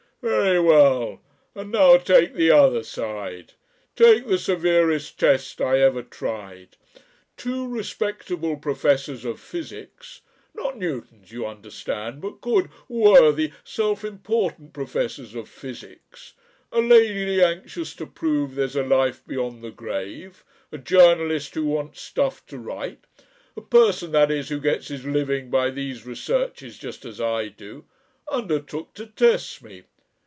"Very well, and now take the other side. Take the severest test I ever tried. Two respectable professors of physics not Newtons, you understand, but good, worthy, self important professors of physics a lady anxious to prove there's a life beyond the grave, a journalist who wants stuff to write a person, that is, who gets his living by these researches just as I do undertook to test me.